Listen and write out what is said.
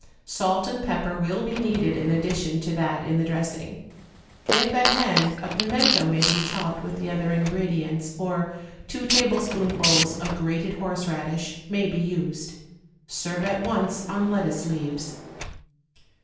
Salt and pepper will be needed in addition to that in the dressing. If at hand, a pimento may be chopped with the other ingredients, or two tablespoonfuls of grated horseradish may be used. Serve at once on lettuce leaves.